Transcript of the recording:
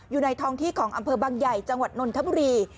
อยู่ในท้องที่ของอำเภอบางใหญ่จังหวัดนนทบุรี